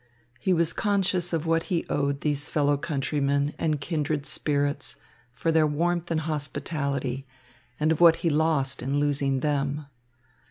He was conscious of what he owed these fellow countrymen and kindred spirits for their warmth and hospitality, and of what he lost in losing them.